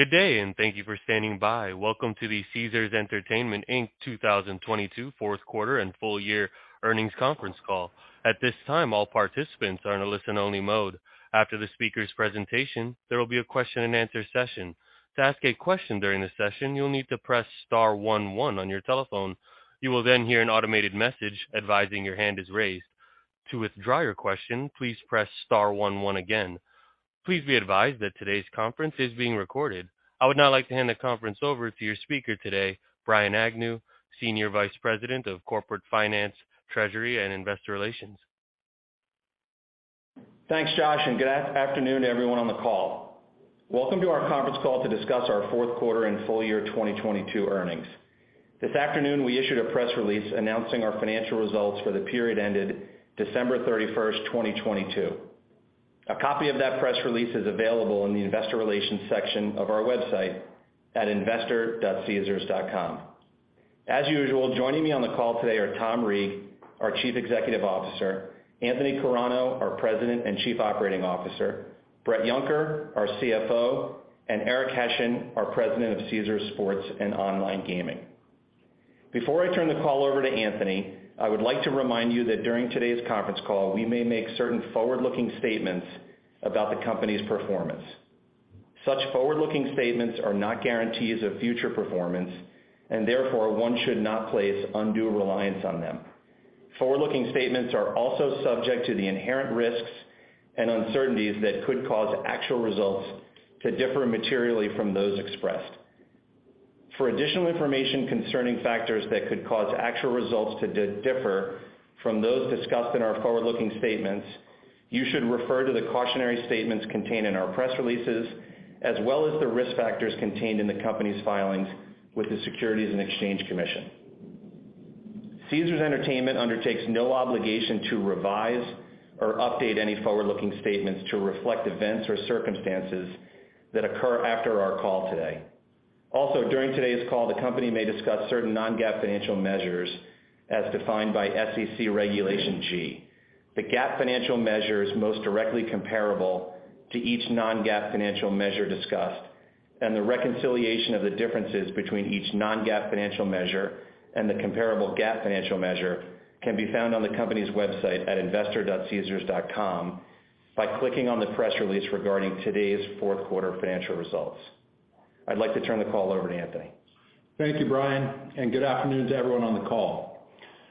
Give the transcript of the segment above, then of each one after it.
Good day, thank you for standing by. Welcome to the Caesars Entertainment Inc. 2022 fourth quarter and full year earnings conference call. At this time, all participants are in a listen-only mode. After the speaker's presentation, there will be a question-and-answer session. To ask a question during the session, you'll need to press star one one on your telephone. You will hear an automated message advising your hand is raised. To withdraw your question, please press star one one again. Please be advised that today's conference is being recorded. I would now like to hand the conference over to your speaker today, Brian Agnew, Senior Vice President of Corporate Finance, Treasury, and Investor Relations. Thanks Josh, and good afternoon to everyone on the call. Welcome to our conference call to discuss our fourth quarter and full year 2022 earnings. This afternoon, we issued a press release announcing our financial results for the period ended December 31st, 2022. A copy of that press release is available in the investor relations section of our website at investor.caesars.com. As usual, joining me on the call today are Tom Reeg, our Chief Executive Officer, Anthony Carano, our President and Chief Operating Officer, Bret Yunker, our CFO, and Eric Hession, our President of Caesars Sports & Online Gaming. Before I turn the call over to Anthony, I would like to remind you that during today's conference call, we may make certain forward-looking statements about the company's performance. Such forward-looking statements are not guarantees of future performance, and therefore, one should not place undue reliance on them. Forward-looking statements are also subject to the inherent risks and uncertainties that could cause actual results to differ materially from those expressed. For additional information concerning factors that could cause actual results to differ from those discussed in our forward-looking statements, you should refer to the cautionary statements contained in our press releases, as well as the risk factors contained in the company's filings with the Securities and Exchange Commission. Caesars Entertainment undertakes no obligation to revise or update any forward-looking statements to reflect events or circumstances that occur after our call today. Also, during today's call, the company may discuss certain non-GAAP financial measures as defined by SEC Regulation G. The GAAP financial measures most directly comparable to each non-GAAP financial measure discussed, and the reconciliation of the differences between each non-GAAP financial measure and the comparable GAAP financial measure can be found on the company's website at investor.caesars.com by clicking on the press release regarding today's fourth quarter financial results. I'd like to turn the call over to Anthony. Thank you, Brian, and good afternoon to everyone on the call.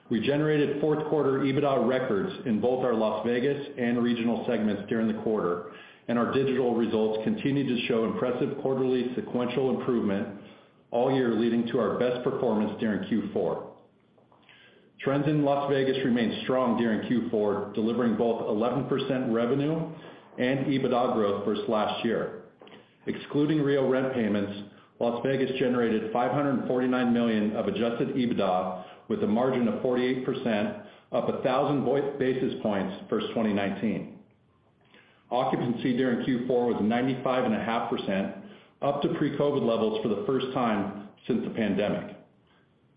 We generated fourth quarter EBITDA records in both our Las Vegas and regional segments during the quarter, and our digital results continued to show impressive quarterly sequential improvement all year, leading to our best performance during Q4. Trends in Las Vegas remained strong during Q4, delivering both 11% revenue and EBITDA growth versus last year. Excluding Rio rent payments, Las Vegas generated $549 million of adjusted EBITDA with a margin of 48%, up 1,000 basis points versus 2019. Occupancy during Q4 was 95.5%, up to pre-COVID levels for the first time since the pandemic.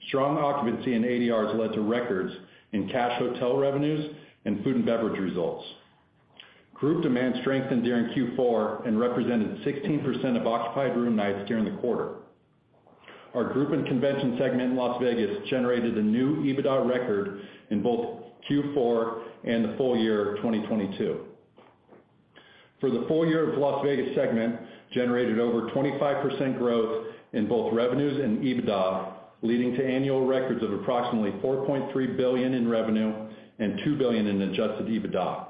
Strong occupancy and ADRs led to records in cash hotel revenues and food and beverage results. Group demand strengthened during Q4 and represented 16% of occupied room nights during the quarter. Our group and convention segment in Las Vegas generated a new EBITDA record in both Q4 and the full year of 2022. For the full year of Las Vegas segment, generated over 25% growth in both revenues and EBITDA, leading to annual records of approximately $4.3 billion in revenue and $2 billion in adjusted EBITDA.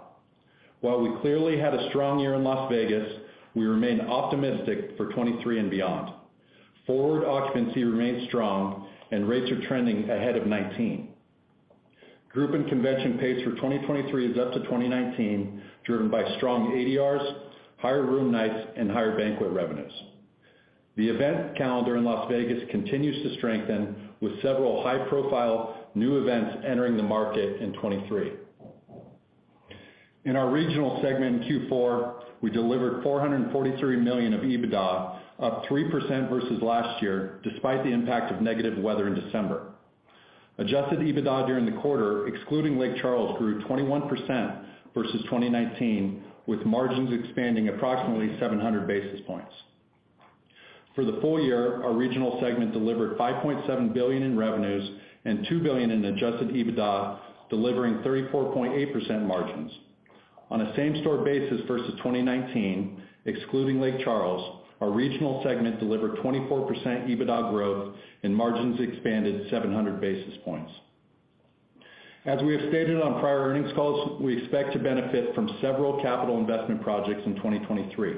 While we clearly had a strong year in Las Vegas, we remain optimistic for 2023 and beyond. Forward occupancy remains strong. Rates are trending ahead of 2019. Group and convention pace for 2023 is up to 2019, driven by strong ADRs, higher room nights, and higher banquet revenues. The event calendar in Las Vegas continues to strengthen with several high-profile new events entering the market in 2023. In our regional segment in Q4, we delivered $443 million of EBITDA, up 3% versus last year, despite the impact of negative weather in December. Adjusted EBITDA during the quarter, excluding Lake Charles, grew 21% versus 2019, with margins expanding approximately 700 basis points. For the full year, our regional segment delivered $5.7 billion in revenues and $2 billion in adjusted EBITDA, delivering 34.8% margins. On a same-store basis versus 2019, excluding Lake Charles, our regional segment delivered 24% EBITDA growth, and margins expanded 700 basis points. As we have stated on prior earnings calls, we expect to benefit from several capital investment projects in 2023.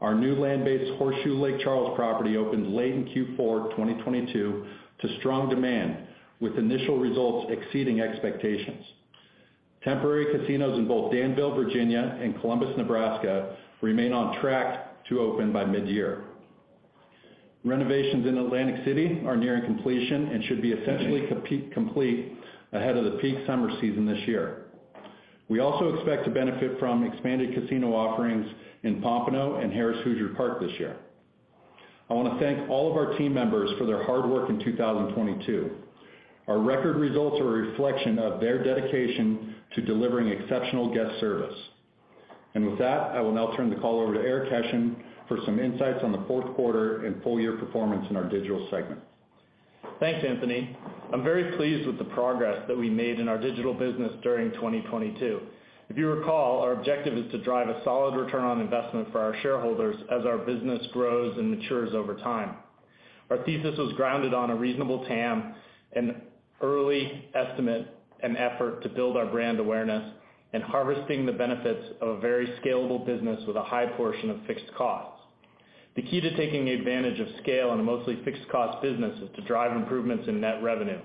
Our new land-based Horseshoe Lake Charles property opened late in Q4 2022 to strong demand, with initial results exceeding expectations. Temporary casinos in both Danville, Virginia and Columbus, Nebraska remain on track to open by mid-year. Renovations in Atlantic City are nearing completion and should be essentially complete ahead of the peak summer season this year. We also expect to benefit from expanded casino offerings in Pompano and Harrah's Hoosier Park this year. I want to thank all of our team members for their hard work in 2022. Our record results are a reflection of their dedication to delivering exceptional guest service. With that, I will now turn the call over to Eric Hession for some insights on the fourth quarter and full year performance in our Digital segment. Thanks, Anthony. I'm very pleased with the progress that we made in our digital business during 2022. If you recall, our objective is to drive a solid return on investment for our shareholders as our business grows and matures over time. Our thesis was grounded on a reasonable TAM, an early estimate and effort to build our brand awareness, and harvesting the benefits of a very scalable business with a high portion of fixed costs. The key to taking advantage of scale in a mostly fixed cost business is to drive improvements in net revenue.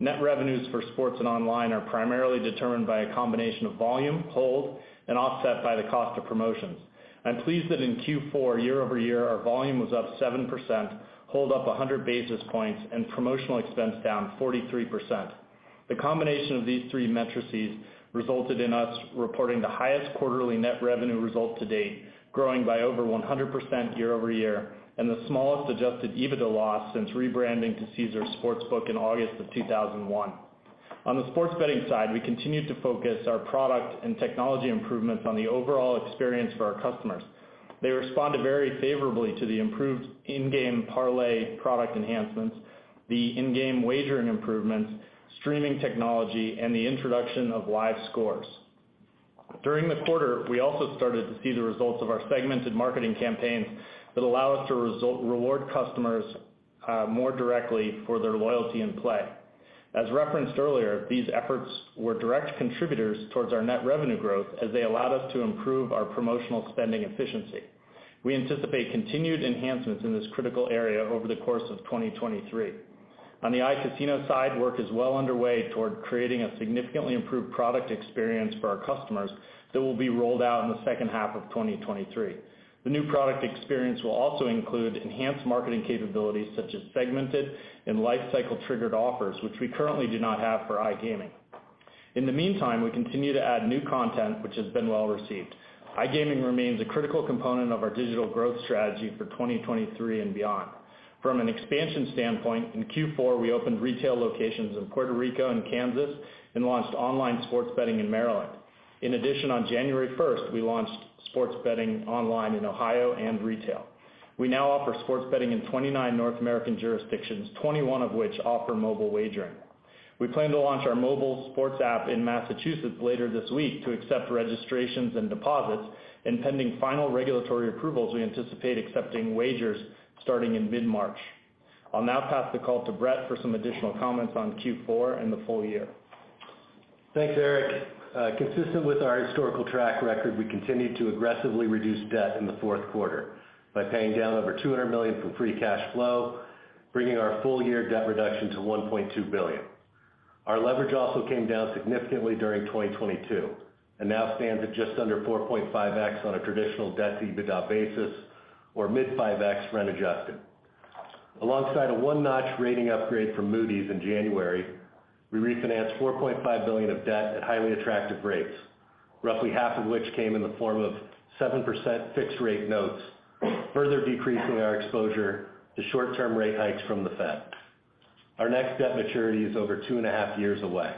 Net revenues for sports and online are primarily determined by a combination of volume, hold, and offset by the cost of promotions. I'm pleased that in Q4 year-over-year, our volume was up 7%, hold up 100 basis points, and promotional expense down 43%. The combination of these three metrics resulted in us reporting the highest quarterly net revenue result to date, growing by over 100% year-over-year, and the smallest adjusted EBITDA loss since rebranding to Caesars Sportsbook in August of 2001. On the sports betting side, we continued to focus our product and technology improvements on the overall experience for our customers. They responded very favorably to the improved in-game parlay product enhancements, the in-game wagering improvements, streaming technology, and the introduction of live scores. During the quarter, we also started to see the results of our segmented marketing campaigns that allow us to reward customers more directly for their loyalty and play. As referenced earlier, these efforts were direct contributors towards our net revenue growth as they allowed us to improve our promotional spending efficiency. We anticipate continued enhancements in this critical area over the course of 2023. On the iCasino side, work is well underway toward creating a significantly improved product experience for our customers that will be rolled out in the second half of 2023. The new product experience will also include enhanced marketing capabilities such as segmented and life cycle triggered offers, which we currently do not have for iGaming. In the meantime, we continue to add new content, which has been well received. iGaming remains a critical component of our digital growth strategy for 2023 and beyond. From an expansion standpoint, in Q4, we opened retail locations in Puerto Rico and Kansas and launched online sports betting in Maryland. On January 1st, we launched sports betting online in Ohio and retail. We now offer sports betting in 29 North American jurisdictions, 21 of which offer mobile wagering. We plan to launch our mobile sports app in Massachusetts later this week to accept registrations and deposits, and pending final regulatory approvals, we anticipate accepting wagers starting in mid-March. I'll now pass the call to Bret for some additional comments on Q4 and the full year. Thanks, Eric. Consistent with our historical track record, we continued to aggressively reduce debt in the fourth quarter by paying down over $200 million from free cash flow, bringing our full-year debt reduction to $1.2 billion. Our leverage also came down significantly during 2022 and now stands at just under 4.5x on a traditional debt-to-EBITDA basis or mid 5x rent adjusted. Alongside a one-notch rating upgrade from Moody's in January, we refinanced $4.5 billion of debt at highly attractive rates, roughly half of which came in the form of 7% fixed rate notes, further decreasing our exposure to short-term rate hikes from the Fed. Our next debt maturity is over 2.5 years away.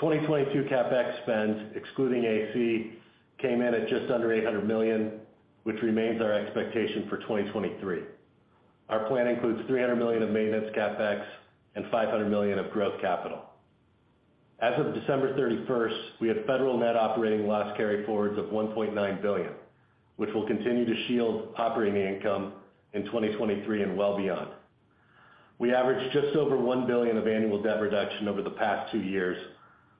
2022 CapEx spend, excluding AC, came in at just under $800 million, which remains our expectation for 2023. Our plan includes $300 million of maintenance CapEx and $500 million of growth capital. As of December thirty-first, we have federal net operating loss carryforwards of $1.9 billion, which will continue to shield operating income in 2023 and well beyond. We averaged just over $1 billion of annual debt reduction over the past two years,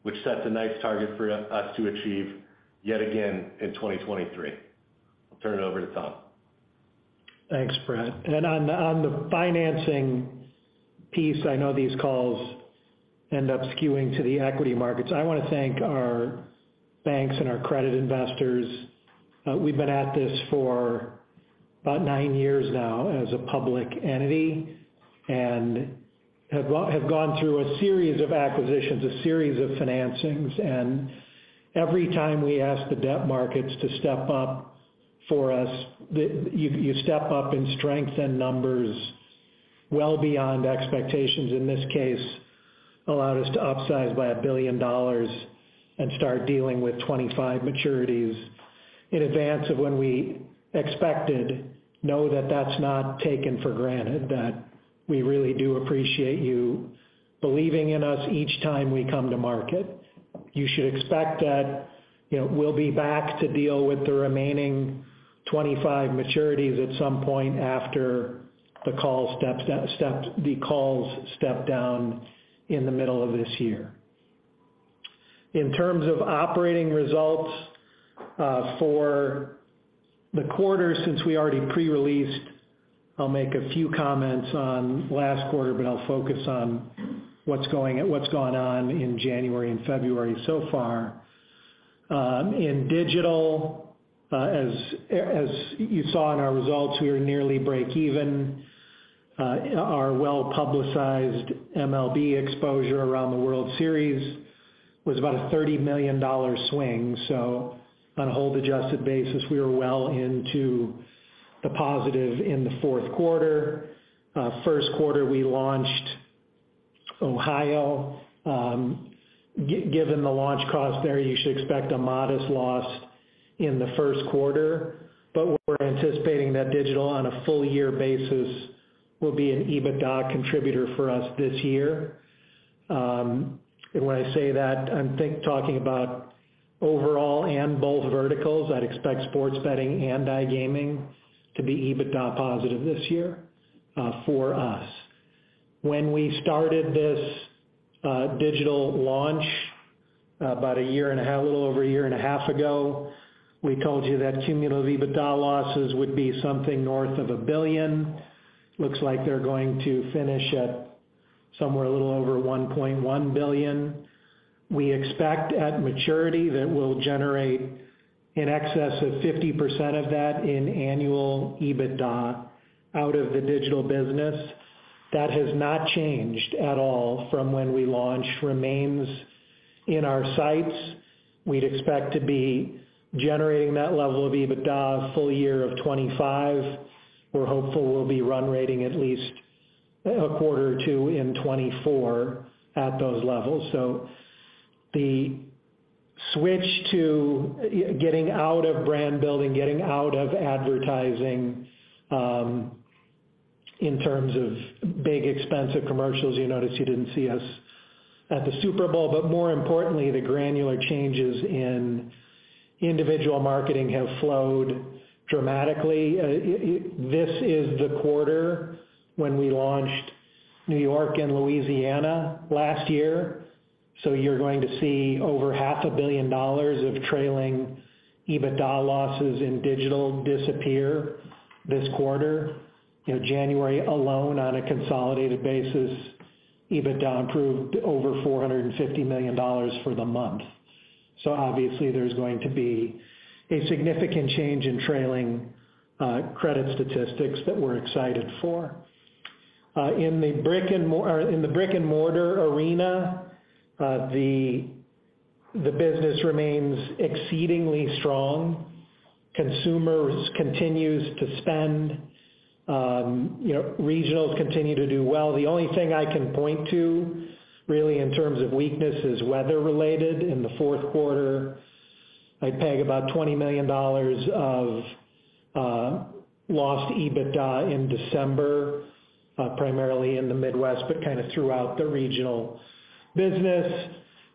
which sets a nice target for us to achieve yet again in 2023. I'll turn it over to Tom. Thanks, Bret Yunker. On the financing piece, I know these calls end up skewing to the equity markets. I want to thank our banks and our credit investors. We've been at this for about nine years now as a public entity and have gone through a series of acquisitions, a series of financings. Every time we ask the debt markets to step up for us, you step up in strength and numbers well beyond expectations. In this case, allowed us to upsize by $1 billion and start dealing with 25 maturities in advance of when we expected. Know that that's not taken for granted, that we really do appreciate you believing in us each time we come to market. You should expect that, you know, we'll be back to deal with the remaining 25 maturities at some point after the calls step down in the middle of this year. In terms of operating results, for the quarter, since we already pre-released, I'll make a few comments on last quarter, but I'll focus on what's gone on in January and February so far. In digital, as you saw in our results, we are nearly break even. Our well-publicized MLB exposure around the World Series was about a $30 million swing. On a hold adjusted basis, we are well into the positive in the fourth quarter. First quarter, we launched Ohio. Given the launch cost there, you should expect a modest loss in the first quarter. We're anticipating that digital, on a full year basis, will be an EBITDA contributor for us this year. When I say that, I'm talking about overall and both verticals. I'd expect sports betting and iGaming to be EBITDA positive this year for us. When we started this digital launch a little over a year and a half ago, we told you that cumulative EBITDA losses would be something north of $1 billion. Looks like they're going to finish at somewhere a little over $1.1 billion. We expect, at maturity, that we'll generate in excess of 50% of that in annual EBITDA out of the digital business. That has not changed at all from when we launched. Remains in our sights. We'd expect to be generating that level of EBITDA full year of 2025. We're hopeful we'll be run rating at least a quarter or two in 2024 at those levels. The switch to getting out of brand building, getting out of advertising, in terms of big expensive commercials, you notice you didn't see us at the Super Bowl. More importantly, the granular changes in individual marketing have flowed dramatically. This is the quarter when we launched New York and Louisiana last year, you're going to see over half a billion dollars of trailing EBITDA losses in digital disappear this quarter. You know, January alone, on a consolidated basis, EBITDA improved over $450 million for the month. Obviously, there's going to be a significant change in trailing credit statistics that we're excited for. In the brick-and-mortar arena, the business remains exceedingly strong. Consumers continues to spend. You know, regionals continue to do well. The only thing I can point to really in terms of weakness is weather related. In the fourth quarter, I'd peg about $20 million of lost EBITDA in December, primarily in the Midwest, but kind of throughout the regional business.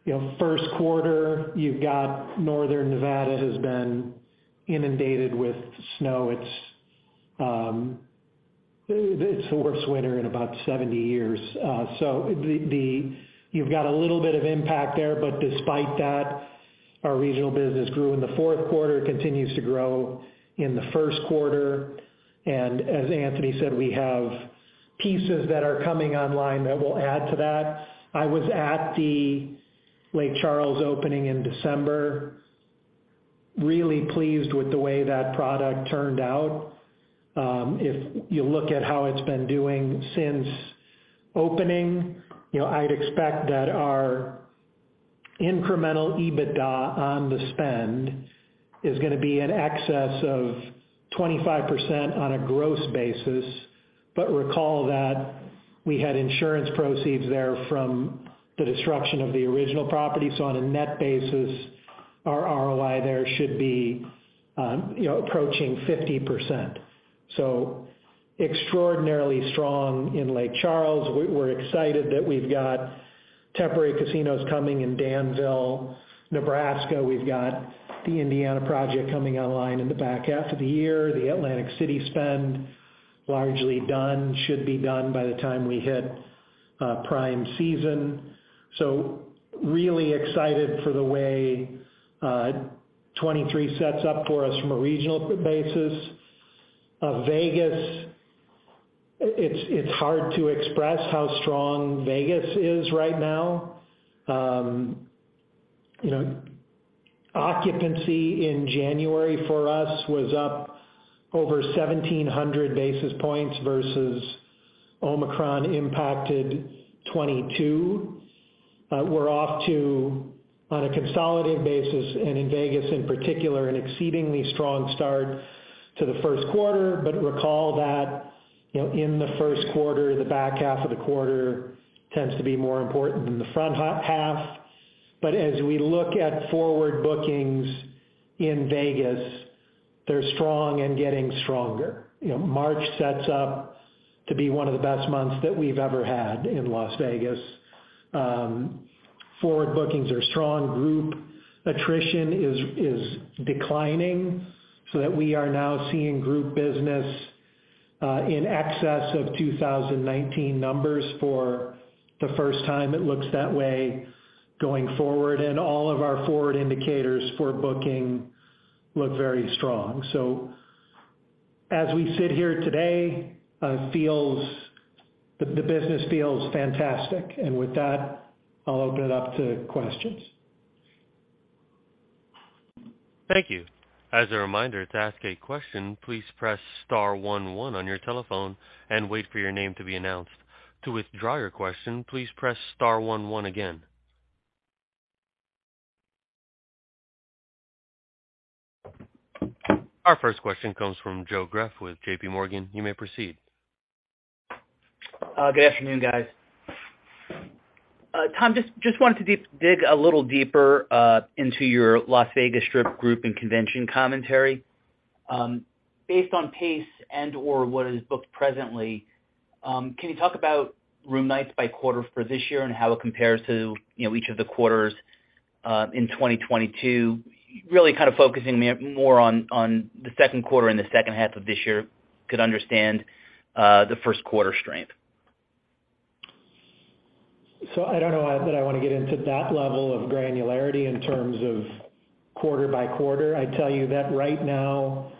You know, first quarter, you've got Northern Nevada has been inundated with snow. It's the worst winter in about 70 years. So, you've got a little bit of impact there, but despite that, our regional business grew in the fourth quarter, continues to grow in the first quarter. As Anthony said, we have pieces that are coming online that will add to that. I was at the Lake Charles opening in December. Really pleased with the way that product turned out. If you look at how it's been doing since opening, you know, I'd expect that our incremental EBITDA on the spend is gonna be in excess of 25% on a gross basis. Recall that we had insurance proceeds there from the destruction of the original property. On a net basis, our ROI there should be, you know, approaching 50%. Extraordinarily strong in Lake Charles. We're excited that we've got temporary casinos coming in Danville, Nebraska. We've got the Indiana project coming online in the back half of the year. The Atlantic City spend largely done. Should be done by the time we hit prime season. Really excited for the way 2023 sets up for us from a regional basis. Vegas, it's hard to express how strong Vegas is right now. You know, occupancy in January for us was up over 1,700 basis points versus Omicron impacted 2022. We're off to, on a consolidated basis, and in Vegas in particular, an exceedingly strong start to the first quarter. Recall that, you know, in the first quarter, the back half of the quarter tends to be more important than the front half. As we look at forward bookings in Vegas, they're strong and getting stronger. You know, March sets up to be one of the best months that we've ever had in Las Vegas. Forward bookings are strong. Group attrition is declining so that we are now seeing group business in excess of 2019 numbers for the first time. It looks that way going forward, and all of our forward indicators for booking look very strong. As we sit here today, the business feels fantastic. With that, I'll open it up to questions. Thank you. As a reminder, to ask a question, please press star one one on your telephone and wait for your name to be announced. To withdraw your question, please press star one one again. Our first question comes from Joe Greff with J.P. Morgan. You may proceed. Good afternoon, guys. Tom, just wanted to dig a little deeper into your Las Vegas Strip group and convention commentary. Based on pace and or what is booked presently, can you talk about room nights by quarter for this year and how it compares to, you know, each of the quarters in 2022? Really kind of focusing me more on the second quarter and the second half of this year could understand the first quarter strength. I don't know that I wanna get into that level of granularity in terms of quarter by quarter. I tell you that right now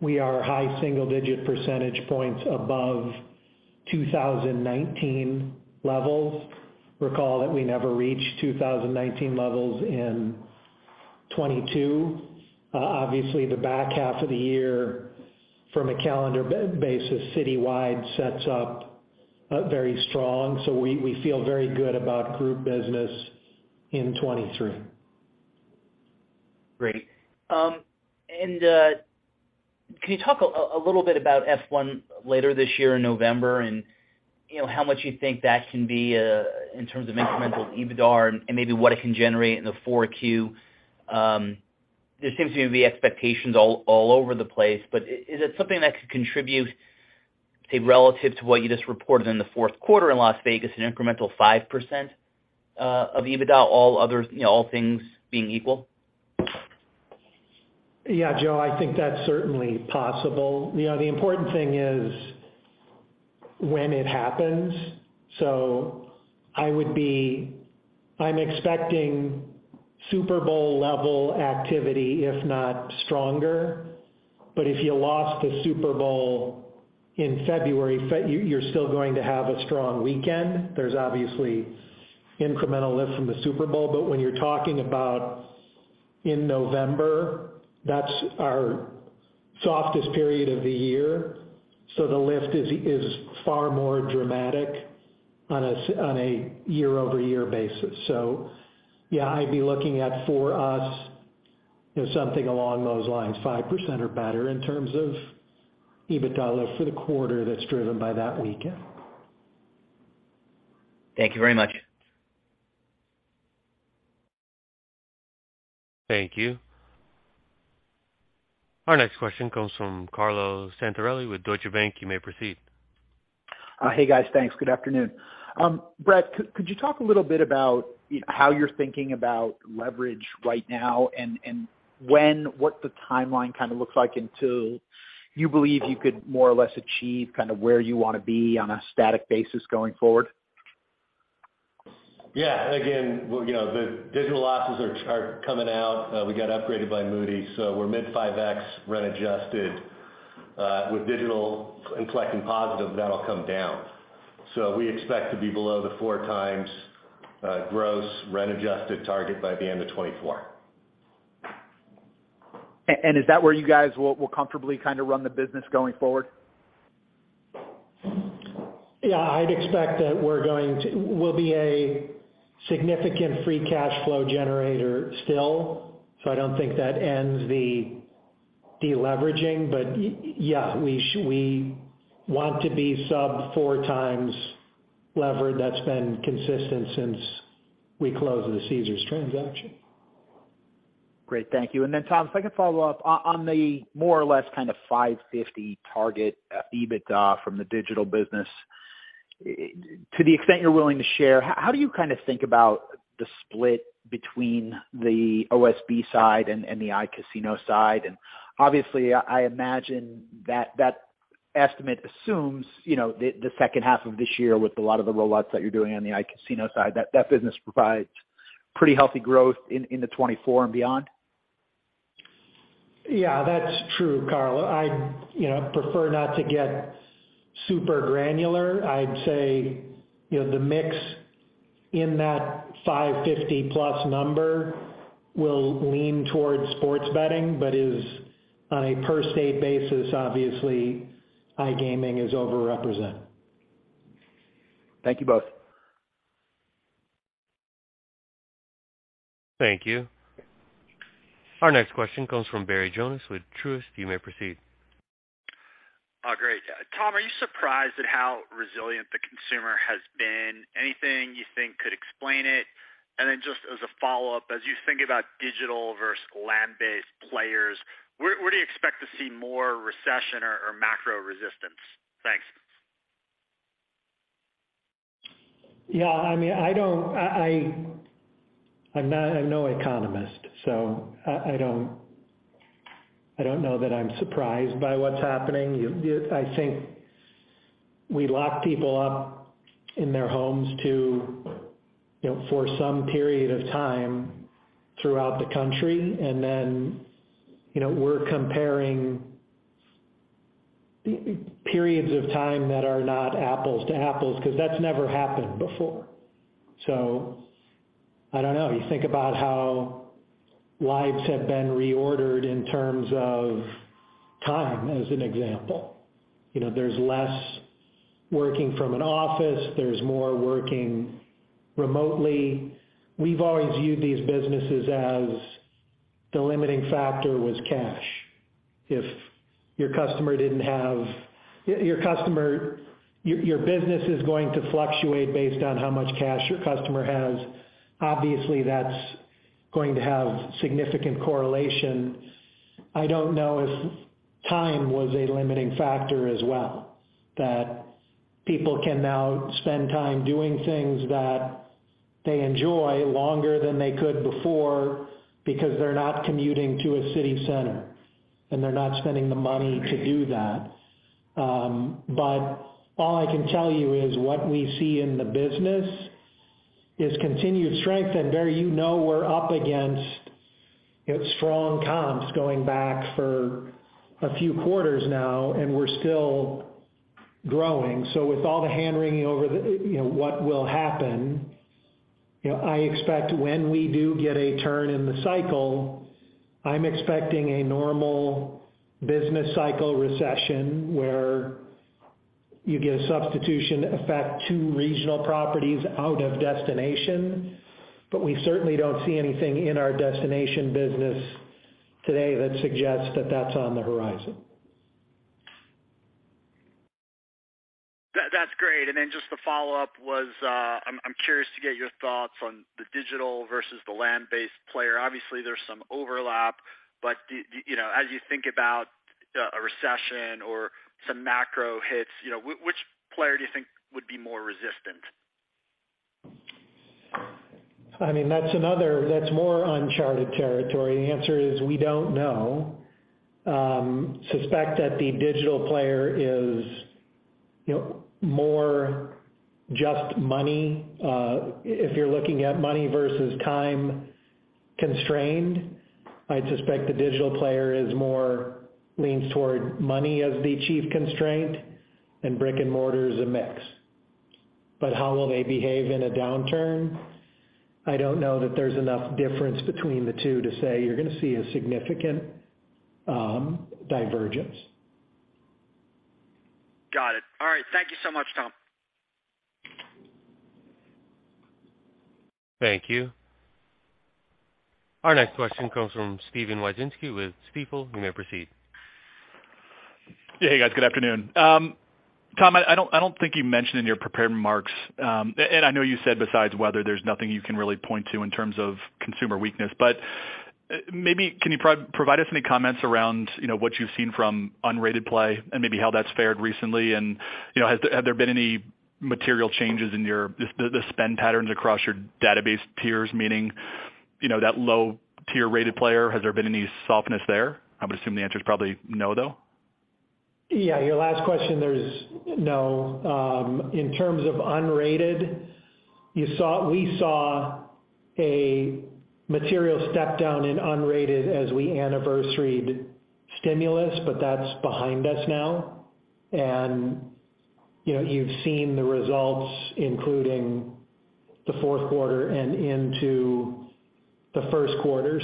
we are high single digit percentage points above 2019 levels. Recall that we never reached 2019 levels in 22. Obviously the back half of the year from a calendar basis citywide sets up very strong. We feel very good about group business in 23. Great. Can you talk a little bit about F1 later this year in November and, you know, how much you think that can be in terms of incremental EBITDA and maybe what it can generate in the 4Q? There seems to be expectations all over the place, is it something that could contribute, say, relative to what you just reported in the fourth quarter in Las Vegas, an incremental 5% of EBITDA, all other, you know, all things being equal? Joe, I think that's certainly possible. You know, the important thing is when it happens. I'm expecting Super Bowl level activity if not stronger. If you lost the Super Bowl in February, you're still going to have a strong weekend. There's obviously incremental lift from the Super Bowl, but when you're talking about in November, that's our softest period of the year. The lift is far more dramatic on a year-over-year basis. I'd be looking at for us, you know, something along those lines, 5% or better in terms of EBITDA lift for the quarter that's driven by that weekend. Thank you very much. Thank you. Our next question comes from Carlo Santarelli with Deutsche Bank. You may proceed. Hey, guys. Thanks. Good afternoon. Bret, could you talk a little bit about how you're thinking about leverage right now and what the timeline kind of looks like until you believe you could more or less achieve kind of where you want to be on a static basis going forward? Yeah. Again, well, you know, the digital losses are coming out. We got upgraded by Moody's. We're mid 5x rent adjusted. With digital and collecting positive, that'll come down. We expect to be below the 4x, gross rent adjusted target by the end of 2024. Is that where you guys will comfortably kind of run the business going forward? Yeah, I'd expect that we'll be a significant free cash flow generator still. I don't think that ends the deleveraging. Yeah, we want to be sub 4x levered. That's been consistent since we closed the Caesars transaction. Great. Thank you. Then Tom, if I can follow up. On the more or less kind of $550 target EBITDA from the digital business, to the extent you're willing to share, how do you kind of think about the split between the OSB side and the iCasino side? Obviously, I imagine that estimate assumes, you know, the second half of this year with a lot of the rollouts that you're doing on the iCasino side, that business provides pretty healthy growth into 2024 and beyond. Yeah, that's true, Carlo. I'd, you know, prefer not to get super granular. I'd say, you know, the mix in that 550 plus number will lean towards sports betting, but is on a per state basis, obviously, iGaming is overrepresented. Thank you both. Thank you. Our next question comes from Barry Jonas with Truist. You may proceed. Great. Tom, are you surprised at how resilient the consumer has been? Anything you think could explain it? Just as a follow-up, as you think about digital versus land-based players, where do you expect to see more recession or macro resistance? Thanks. Yeah, I mean, I don't. I'm not, I'm no economist, so I don't know that I'm surprised by what's happening. I think we lock people up in their homes to, you know, for some period of time throughout the country, then, you know, we're comparing periods of time that are not apples to apples, because that's never happened before. I don't know. You think about how lives have been reordered in terms of time, as an example. You know, there's less working from an office, there's more working remotely. We've always viewed these businesses as the limiting factor was cash. If your customer didn't have. Your business is going to fluctuate based on how much cash your customer has. Obviously, that's going to have significant correlation. I don't know if time was a limiting factor as well, that people can now spend time doing things that they enjoy longer than they could before because they're not commuting to a city center, and they're not spending the money to do that. All I can tell you is what we see in the business is continued strength. Barry, you know we're up against, you know, strong comps going back for a few quarters now, and we're still growing. With all the hand-wringing over the, you know, what will happen, you know, I expect when we do get a turn in the cycle, I'm expecting a normal business cycle recession where you get a substitution effect to regional properties out of destination. We certainly don't see anything in our destination business today that suggests that that's on the horizon. That's great. Just the follow-up was, I'm curious to get your thoughts on the digital versus the land-based player. Obviously, there's some overlap. The, you know, as you think about a recession or some macro hits, you know, which player do you think would be more resistant? I mean, that's more uncharted territory. The answer is we don't know. Suspect that the digital player is, you know, more just money. If you're looking at money versus time-constrained, I'd suspect the digital player leans toward money as the chief constraint, and brick-and-mortar is a mix. How will they behave in a downturn? I don't know that there's enough difference between the two to say you're gonna see a significant divergence. Got it. All right. Thank you so much, Tom. Thank you. Our next question comes from Steven Wieczynski with Stifel. You may proceed. Yeah. Hey, guys. Good afternoon. Tom, I don't think you mentioned in your prepared remarks. I know you said besides weather, there's nothing you can really point to in terms of consumer weakness. Maybe can you provide us any comments around, you know, what you've seen from unrated play and maybe how that's fared recently? You know, have there been any material changes in your spend patterns across your database tiers, meaning, you know, that low tier rated player, has there been any softness there? I would assume the answer is probably no, though. Yeah. Your last question, there's no. In terms of unrated, we saw a material step down in unrated as we anniversaried stimulus, but that's behind us now. You know, you've seen the results, including the fourth quarter and into the first quarter.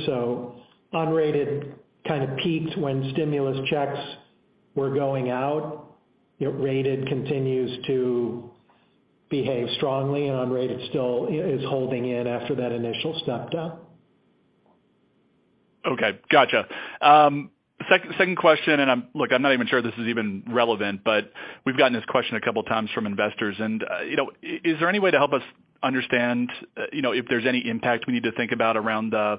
Unrated kind of peaked when stimulus checks were going out. You know, rated continues to behave strongly, and unrated still, you know, is holding in after that initial step down. Okay. Gotcha. second question, and I'm... Look, I'm not even sure if this is even relevant, but we've gotten this question a couple times from investors. you know, is there any way to help us understand, you know, if there's any impact we need to think about around the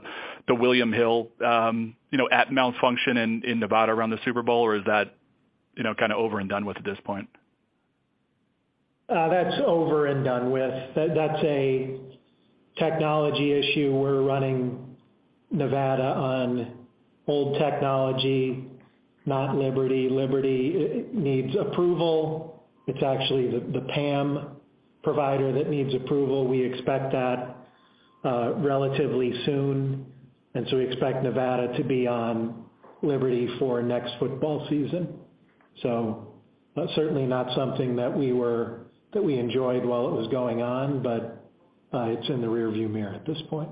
William Hill, you know, app malfunction in Nevada around the Super Bowl, or is that, you know, kind of over and done with at this point? That's over and done with. That's a technology issue. We're running Nevada on old technology, not Liberty. Liberty, it needs approval. It's actually the PAM provider that needs approval. We expect that relatively soon, we expect Nevada to be on Liberty for next football season. That's certainly not something that we enjoyed while it was going on, but it's in the rearview mirror at this point.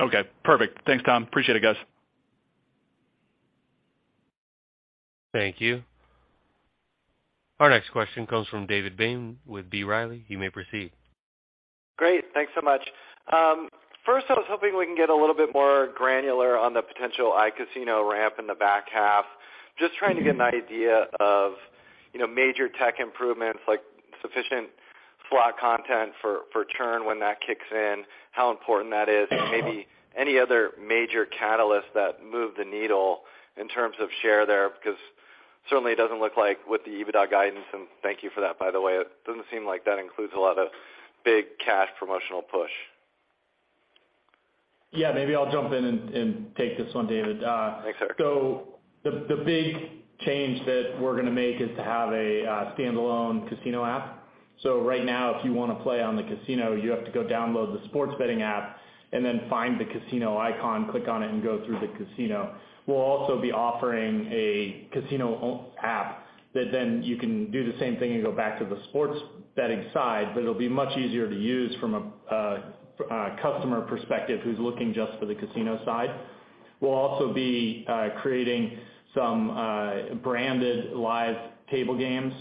Okay. Perfect. Thanks, Tom. Appreciate it, guys. Thank you. Our next question comes from David Bain with B. Riley. You may proceed. Great. Thanks so much. First I was hoping we can get a little bit more granular on the potential iCasino ramp in the back half. Just trying to get an idea of, you know, major tech improvements like sufficient slot content for churn when that kicks in, how important that is, and maybe any other major catalyst that move the needle in terms of share there, because certainly it doesn't look like with the EBITDA guidance, and thank you for that, by the way, it doesn't seem like that includes a lot of big cash promotional push. Yeah, maybe I'll jump in and take this one, David. Thanks, Eric. The big change that we're gonna make is to have a standalone casino app. Right now, if you wanna play on the casino, you have to go download the sports betting app and then find the casino icon, click on it, and go through the casino. We'll also be offering a casino own app that then you can do the same thing and go back to the sports betting side, but it'll be much easier to use from a customer perspective who's looking just for the casino side. We'll also be creating some branded live table games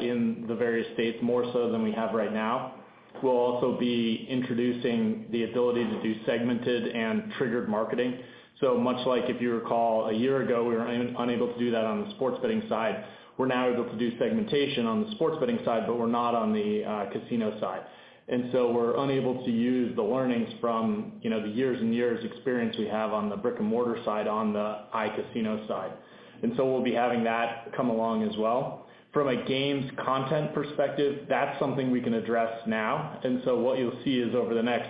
in the various states more so than we have right now. We'll also be introducing the ability to do segmented and triggered marketing. Much like if you recall, a year ago, we were unable to do that on the sports betting side. We're now able to do segmentation on the sports betting side, but we're not on the casino side. We're unable to use the learnings from, you know, the years and years experience we have on the brick-and-mortar side on the iCasino side. We'll be having that come along as well. From a games content perspective, that's something we can address now. What you'll see is over the next,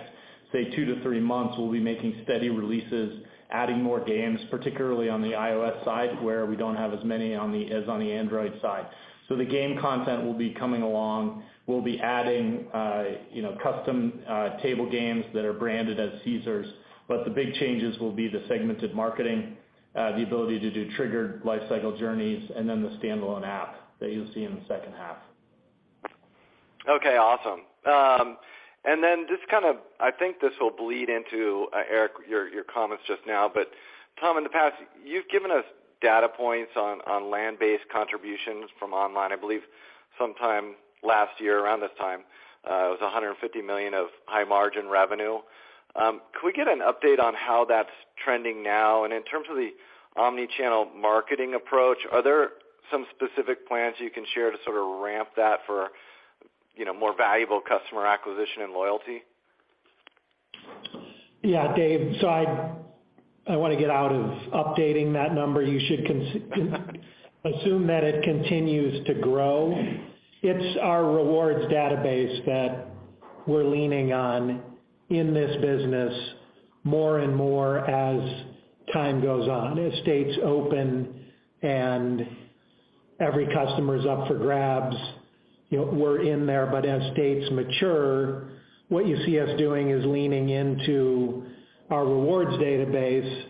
say, two to three months, we'll be making steady releases, adding more games, particularly on the iOS side, where we don't have as many as on the Android side. The game content will be coming along. We'll be adding, you know, custom, table games that are branded as Caesars. The big changes will be the segmented marketing, the ability to do triggered lifecycle journeys and then the standalone app that you'll see in the second half. Okay, awesome. Then just kind of, I think this will bleed into, Eric, your comments just now. Tom, in the past, you've given us data points on land-based contributions from online. I believe sometime last year around this time, it was $150 million of high-margin revenue. Could we get an update on how that's trending now? In terms of the omni-channel marketing approach, are there some specific plans you can share to sort of ramp that for, you know, more valuable customer acquisition and loyalty? Yeah, Dave. I wanna get out of updating that number. You should assume that it continues to grow. It's our rewards database that we're leaning on in this business more and more as time goes on. As states open and every customer is up for grabs, you know, we're in there. As states mature, what you see us doing is leaning into our rewards database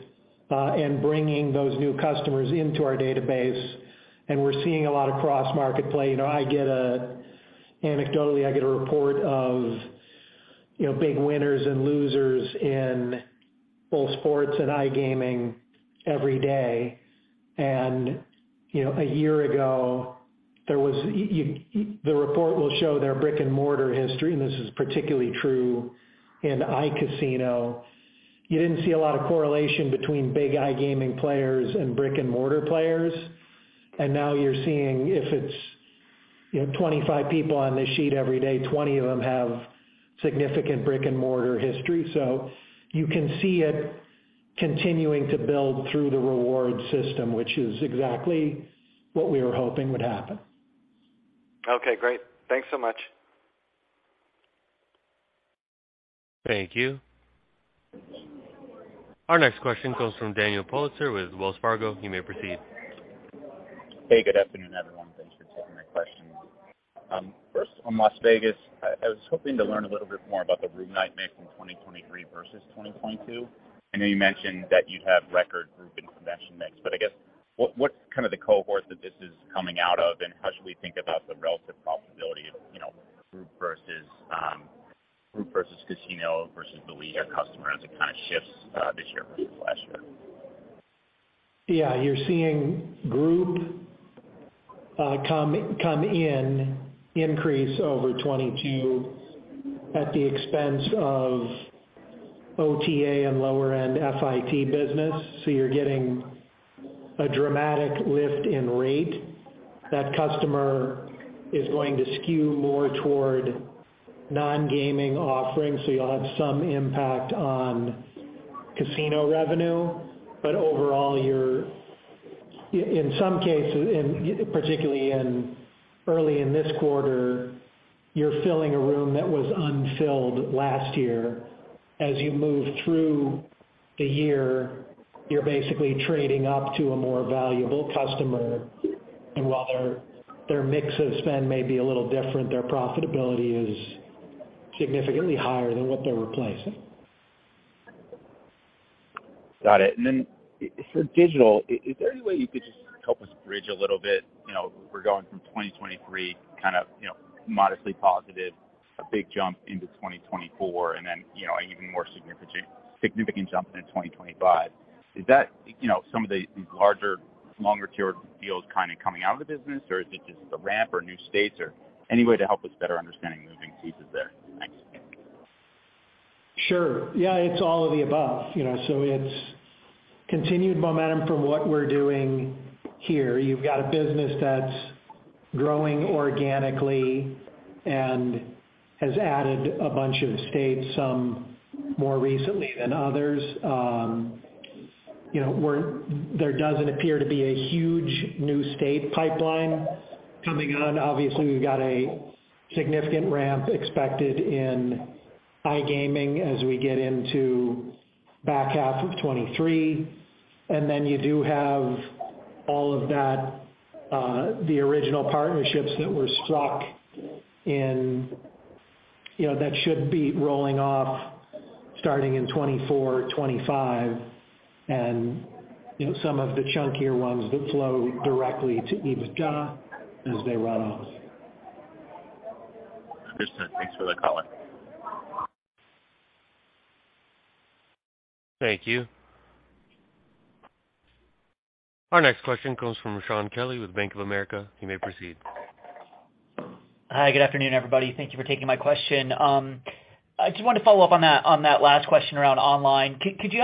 and bringing those new customers into our database, and we're seeing a lot of cross-market play. You know, anecdotally, I get a report of, you know, big winners and losers in both sports and iGaming every day. You know, a year ago, there was the report will show their brick-and-mortar history, and this is particularly true in iCasino. You didn't see a lot of correlation between big iGaming players and brick-and-mortar players. Now you're seeing if it's, you know, 25 people on this sheet every day, 20 of them have significant brick-and-mortar history. You can see it continuing to build through the reward system, which is exactly what we were hoping would happen. Okay, great. Thanks so much. Thank you. Our next question comes from Daniel Politzer with Wells Fargo. You may proceed. Hey, good afternoon, everyone. Thanks for taking my questions. first on Las Vegas, I was hoping to learn a little bit more about the room night mix in 2023 versus 2022. I know you mentioned that you have record group and convention mix, but I guess what's kind of the cohort that this is coming out of, and how should we think about the relative profitability of, you know, group versus group versus casino versus the lead or customer as it kind of shifts this year versus last year? Yeah, you're seeing group come in increase over 22 at the expense of OTA and lower-end FIT business. You're getting a dramatic lift in rate. That customer is going to skew more toward non-gaming offerings, so you'll have some impact on casino revenue. Overall, in some cases, in, particularly in early in this quarter, you're filling a room that was unfilled last year. As you move through the year, you're basically trading up to a more valuable customer. While their mix of spend may be a little different, their profitability is significantly higher than what they're replacing. Got it. For digital, is there any way you could just help us bridge a little bit? You know, we're going from 2023, kind of, you know, modestly positive, a big jump into 2024 and then, you know, an even more significant jump into 2025. Is that, you know, some of the larger, longer-term deals kinda coming out of the business, or is it just the ramp or new states, or any way to help us better understanding the moving pieces there? Thanks. Sure. Yeah, it's all of the above. You know, it's continued momentum from what we're doing here. You've got a business that's growing organically and has added a bunch of states, some more recently than others. You know, there doesn't appear to be a huge new state pipeline coming on. Obviously, we've got a significant ramp expected in iGaming as we get into back half of 23. Then you do have all of that, the original partnerships that were stuck in, you know, that should be rolling off starting in 24, 25. You know, some of the chunkier ones that flow directly to EBITDA as they run off. Christian, thanks for the call. Thank you. Our next question comes from Shaun Kelley with Bank of America. You may proceed. Hi. Good afternoon, everybody. Thank you for taking my question. I just want to follow up on that last question around online. Could you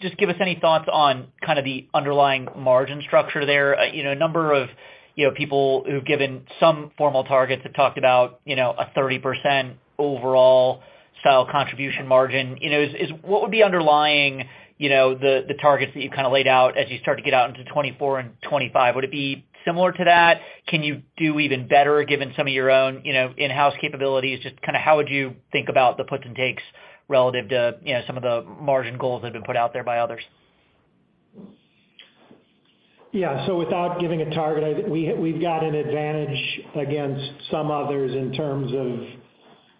just give us any thoughts on kind of the underlying margin structure there? You know, a number of, you know, people who've given some formal targets have talked about, you know, a 30% overall sale contribution margin. You know, is what would be underlying, you know, the targets that you've kind of laid out as you start to get out into 2024 and 2025? Would it be similar to that? Can you do even better given some of your own, you know, in-house capabilities? Just kind of how would you think about the puts and takes relative to, you know, some of the margin goals that have been put out there by others? Without giving a target, I think we've got an advantage against some others in terms of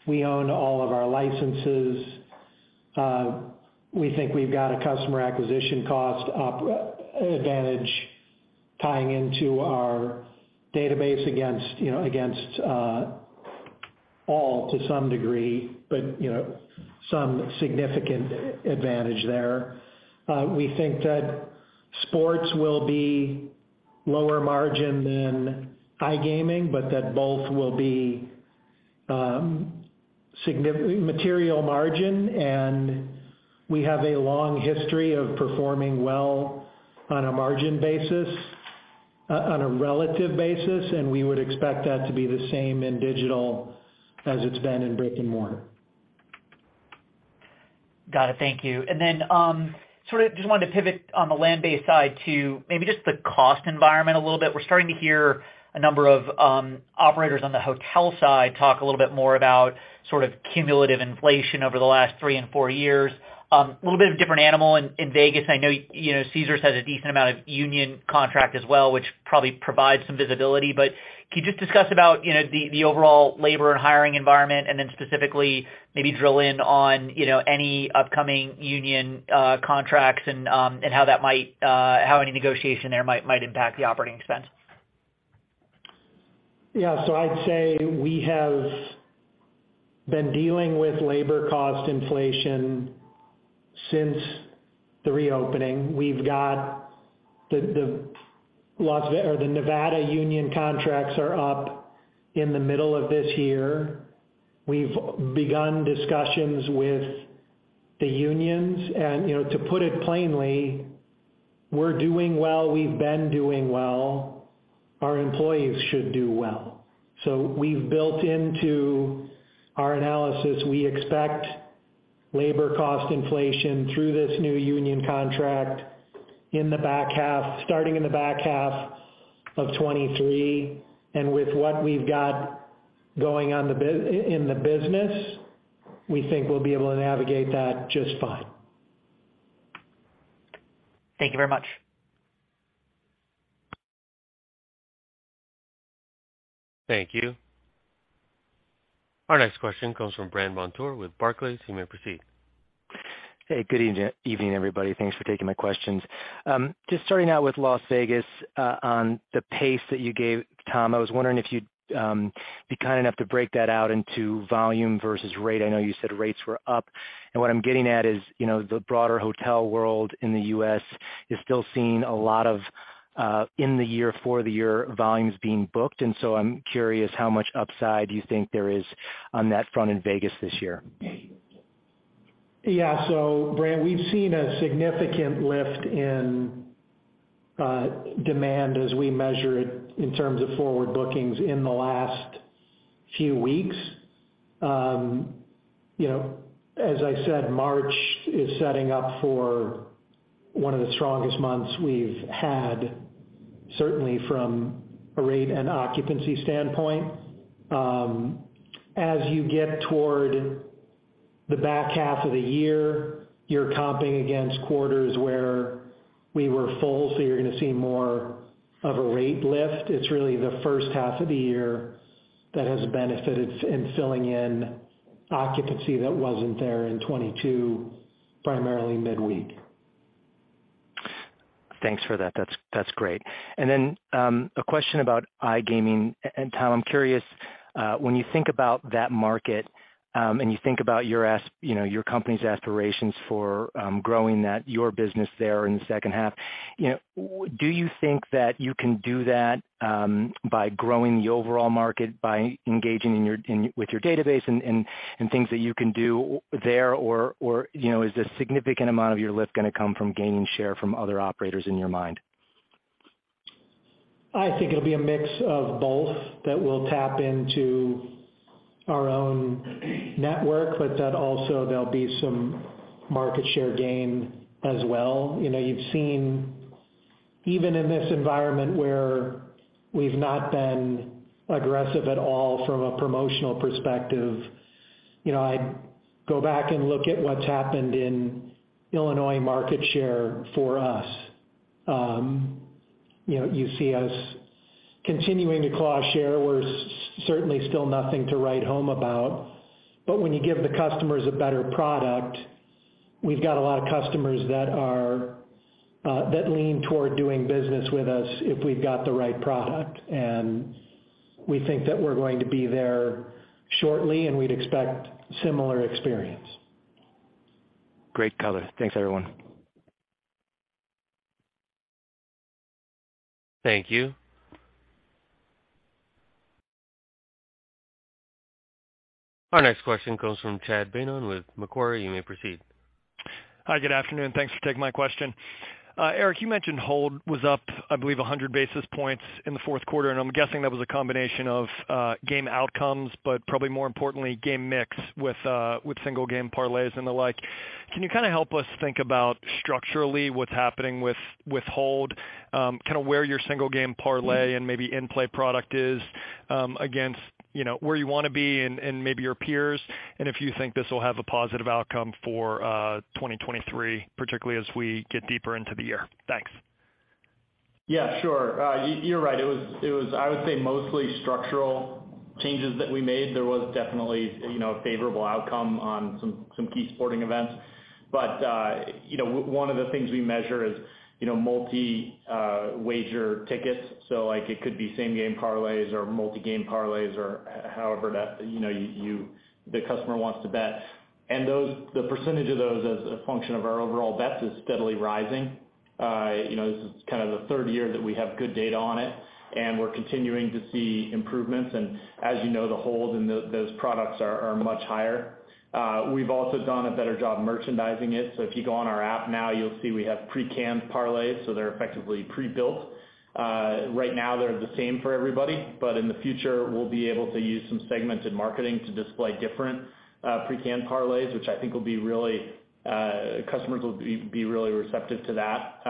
we own all of our licenses. We think we've got a customer acquisition cost advantage tying into our database against, you know, all to some degree. You know, some significant advantage there. We think that sports will be lower margin than iGaming, but that both will be material margin. We have a long history of performing well on a margin basis, on a relative basis, and we would expect that to be the same in digital as it's been in brick-and-mortar. Got it. Thank you. Then, sort of just wanted to pivot on the land-based side to maybe just the cost environment a little bit. We're starting to hear a number of operators on the hotel side talk a little bit more about sort of cumulative inflation over the last three and four years. A little bit of a different animal in Vegas. I know, you know, Caesars has a decent amount of union contract as well, which probably provides some visibility. But can you just discuss about, you know, the overall labor and hiring environment? Then specifically maybe drill in on, you know, any upcoming union contracts and how that might, how any negotiation there might impact the operating expense? I'd say we have been dealing with labor cost inflation since the reopening. We've got the Nevada union contracts are up in the middle of this year. We've begun discussions with the unions. You know, to put it plainly, we're doing well, we've been doing well, our employees should do well. We've built into our analysis, we expect labor cost inflation through this new union contract in the back half starting in the back half of 23. With what we've got going on in the business, we think we'll be able to navigate that just fine. Thank you very much. Thank you. Our next question comes from Brandt Montour with Barclays. You may proceed. Hey, good evening, everybody. Thanks for taking my questions. Just starting out with Las Vegas, on the pace that you gave, Tom, I was wondering if you'd be kind enough to break that out into volume versus rate. I know you said rates were up. What I'm getting at is, you know, the broader hotel world in the U.S. is still seeing a lot of in the year for the year volumes being booked, so I'm curious how much upside you think there is on that front in Vegas this year. So Brandt Montour, we've seen a significant lift in demand as we measure it in terms of forward bookings in the last few weeks. You know, as I said, March is setting up for one of the strongest months we've had, certainly from a rate and occupancy standpoint. As you get toward the back half of the year, you're comping against quarters where we were full, so you're gonna see more of a rate lift. It's really the first half of the year that has benefited in filling in occupancy that wasn't there in 22, primarily midweek. Thanks for that. That's, that's great. A question about iGaming. Tom, I'm curious, when you think about that market, and you think about your you know, your company's aspirations for, growing that, your business there in the second half, you know, do you think that you can do that, by growing the overall market, by engaging with your database and, and things that you can do there? Or, you know, is a significant amount of your lift gonna come from gaining share from other operators in your mind? I think it'll be a mix of both that we'll tap into our own network, but that also there'll be some market share gain as well. You know, you've seen even in this environment where We've not been aggressive at all from a promotional perspective. You know, I'd go back and look at what's happened in Illinois market share for us. You know, you see us continuing to claw share. We're certainly still nothing to write home about. When you give the customers a better product, we've got a lot of customers that lean toward doing business with us if we've got the right product. We think that we're going to be there shortly, and we'd expect similar experience. Great color. Thanks, everyone. Thank you. Our next question comes from Chad Beynon with Macquarie. You may proceed. Hi, good afternoon. Thanks for taking my question. Eric, you mentioned hold was up, I believe 100 basis points in the fourth quarter, and I'm guessing that was a combination of game outcomes, but probably more importantly, game mix with single game parlays and the like. Can you kind of help us think about structurally what's happening with hold, kind of where your single game parlay and maybe in-play product is, against, you know, where you wanna be and maybe your peers, and if you think this will have a positive outcome for 2023, particularly as we get deeper into the year? Thanks. Yeah, sure. You're right. It was, I would say, mostly structural changes that we made. There was definitely, you know, a favorable outcome on some key sporting events. You know, one of the things we measure is, you know, multi wager tickets, so, like, it could be same game parlays or multi-game parlays or however that, you know, the customer wants to bet. The percentage of those as a function of our overall bets is steadily rising. You know, this is kind of the third year that we have good data on it, and we're continuing to see improvements. As you know, the hold in those products are much higher. We've also done a better job merchandising it. If you go on our app now, you'll see we have pre-canned parlays, so they're effectively pre-built. Right now they're the same for everybody, but in the future, we'll be able to use some segmented marketing to display different pre-canned parlays, which I think will be really customers will be really receptive to that.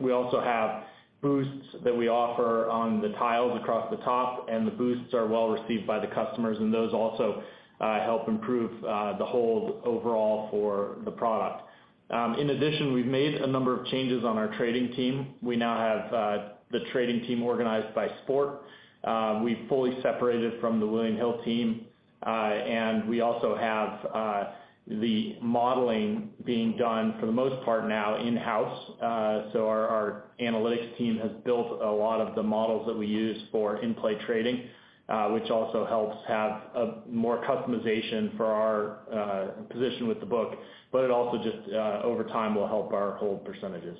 We also have boosts that we offer on the tiles across the top, and the boosts are well received by the customers, and those also help improve the hold overall for the product. In addition, we've made a number of changes on our trading team. We now have the trading team organized by sport. We've fully separated from the William Hill team, and we also have the modeling being done, for the most part now, in-house. Our analytics team has built a lot of the models that we use for in-play trading, which also helps have more customization for our position with the book, but it also just over time, will help our hold percentages.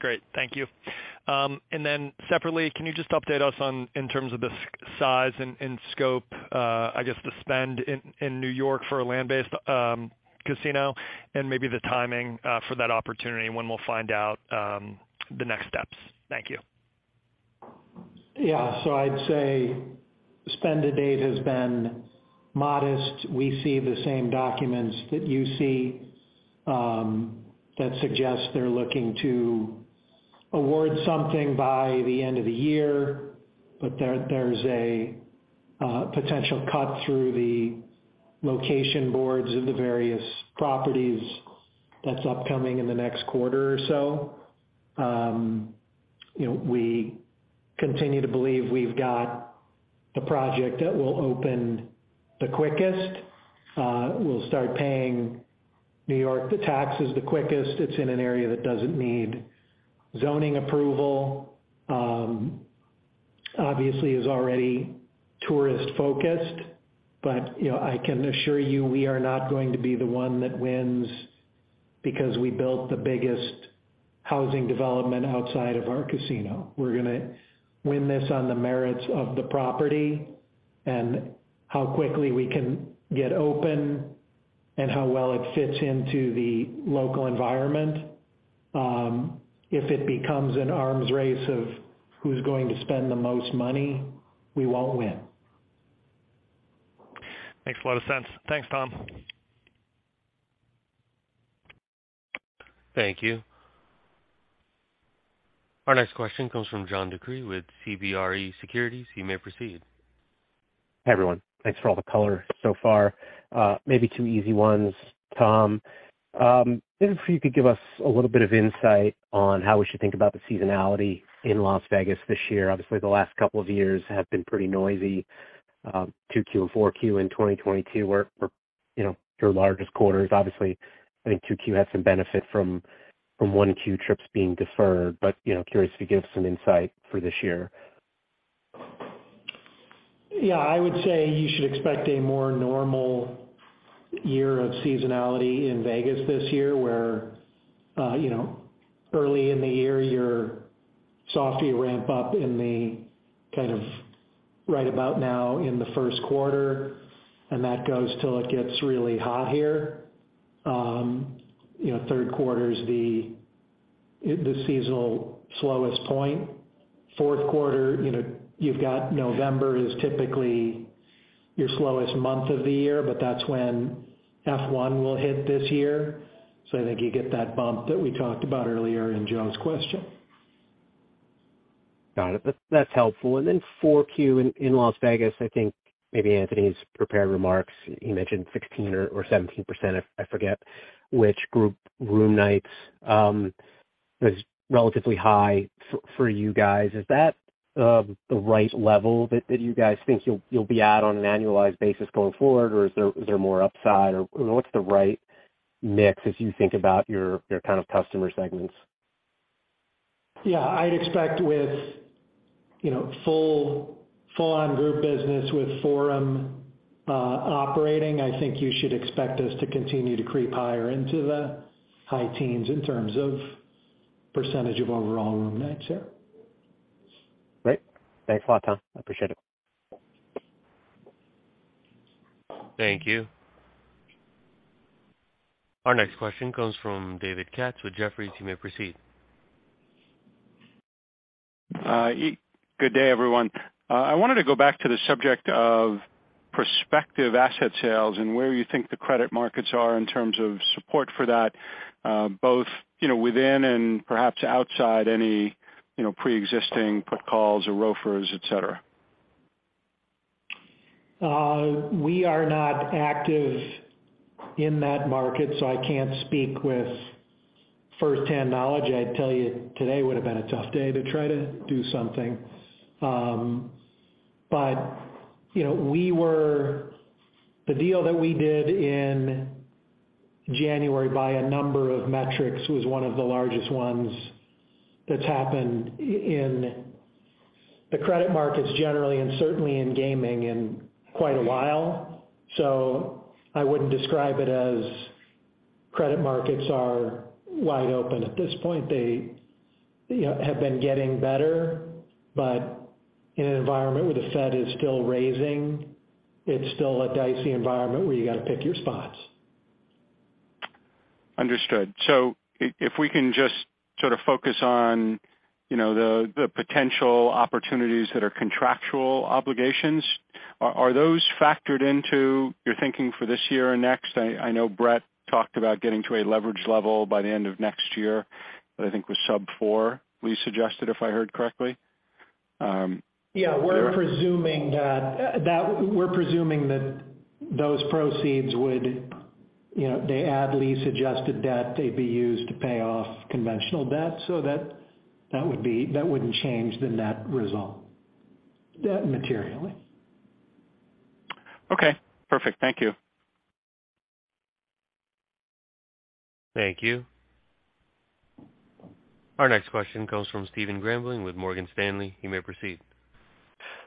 Great. Thank you. Then separately, can you just update us on, in terms of the size and scope, I guess, the spend in New York for a land-based casino and maybe the timing for that opportunity and when we'll find out the next steps? Thank you. Yeah. I'd say spend to date has been modest. We see the same documents that you see, that suggest they're looking to award something by the end of the year. There, there's a potential cut through the location boards of the various properties that's upcoming in the next quarter or so. You know, we continue to believe we've got the project that will open the quickest. We'll start paying New York the taxes the quickest. It's in an area that doesn't need zoning approval. Obviously is already tourist-focused. You know, I can assure you, we are not going to be the one that wins because we built the biggest housing development outside of our casino. We're gonna win this on the merits of the property and how quickly we can get open and how well it fits into the local environment. If it becomes an arms race of who's going to spend the most money, we won't win. Makes a lot of sense. Thanks, Tom. Thank you. Our next question comes from John DeCree with CBRE Securities. You may proceed. Hi, everyone. Thanks for all the color so far. Maybe two easy ones, Tom. Maybe if you could give us a little bit of insight on how we should think about the seasonality in Las Vegas this year. Obviously, the last couple of years have been pretty noisy. 2Q and 4Q in 2022 were, you know, your largest quarters. Obviously, I think 2Q had some benefit from 1Q trips being deferred, but, you know, curious if you could give some insight for this year. Yeah. I would say you should expect a more normal year of seasonality in Vegas this year, where, you know, early in the year, you're softie ramp up in the kind of right about now in the first quarter, and that goes till it gets really hot here. You know, third quarter's the seasonal slowest point. Fourth quarter, you know, you've got November is typically your slowest month of the year, but that's when F1 will hit this year, so I think you get that bump that we talked about earlier in Joe's question. Got it. That's helpful. 4Q in Las Vegas, I think maybe Anthony's prepared remarks, he mentioned 16% or 17%. I forget which group room nights was relatively high for you guys. Is that the right level that you guys think you'll be at on an annualized basis going forward? Or is there more upside or what's the right mix as you think about your kind of customer segments? Yeah. I'd expect with, you know, full-on group business with Forum, operating, I think you should expect us to continue to creep higher into the high teens in terms of % of overall room nights, yeah. Great. Thanks a lot, Tom. I appreciate it. Thank you. Our next question comes from David Katz with Jefferies. You may proceed. Good day, everyone. I wanted to go back to the subject of prospective asset sales and where you think the credit markets are in terms of support for that, you know, both within and perhaps outside any, you know, preexisting put calls or ROFRs, et cetera. We are not active in that market, so I can't speak with firsthand knowledge. I'd tell you today would have been a tough day to try to do something. But, you know, the deal that we did in January by a number of metrics was one of the largest ones that's happened in the credit markets generally, and certainly in gaming in quite a while. I wouldn't describe it as credit markets are wide open at this point. They, you know, have been getting better. But in an environment where the Fed is still raising, it's still a dicey environment where you gotta pick your spots. Understood. If we can just sort of focus on, you know, the potential opportunities that are contractual obligations, are those factored into your thinking for this year or next? I know Bret talked about getting to a leverage level by the end of next year. That I think was sub four, we suggested, if I heard correctly. Yeah. We're presuming that those proceeds would, you know, they add lease adjusted debt. They'd be used to pay off conventional debt. That wouldn't change the net result debt materially. Okay. Perfect. Thank you. Thank you. Our next question comes from Stephen Grambling with Morgan Stanley. You may proceed.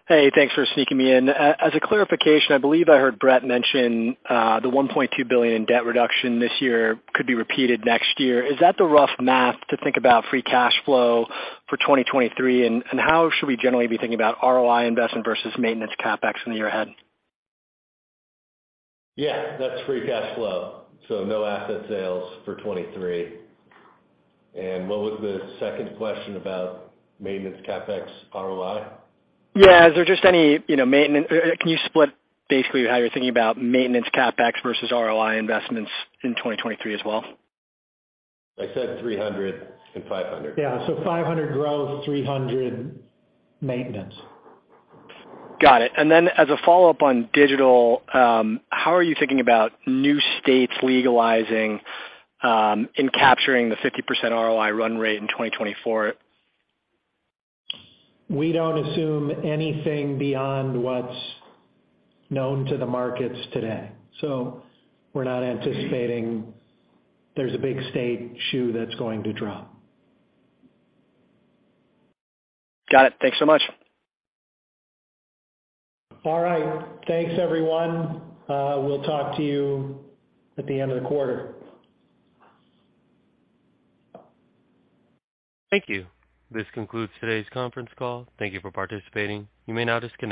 Hey, thanks for sneaking me in. As a clarification, I believe I heard Brett mention, the $1.2 billion in debt reduction this year could be repeated next year. Is that the rough math to think about free cash flow for 2023, and how should we generally be thinking about ROI investment versus maintenance CapEx in the year ahead? Yeah, that's free cash flow, so no asset sales for 2023. What was the second question about maintenance CapEx ROI? Yeah. Can you split basically how you're thinking about maintenance CapEx versus ROI investments in 2023 as well? I said $300 and $500. Yeah. $500 growth, $300 maintenance. Got it. Then as a follow-up on digital, how are you thinking about new states legalizing, in capturing the 50% ROI run rate in 2024? We don't assume anything beyond what's known to the markets today, so we're not anticipating there's a big state shoe that's going to drop. Got it. Thanks so much. All right. Thanks, everyone. We'll talk to you at the end of the quarter. Thank you. This concludes today's conference call. Thank you for participating. You may now disconnect.